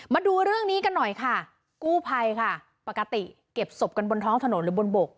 มาดูเรื่องนี้กันหน่อยค่ะกู้ภัยค่ะปกติเก็บศพกันบนท้องถนนหรือบนบก